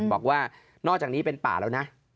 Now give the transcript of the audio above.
บอกว่านอกจากนี้เป็นป่าแล้วนะ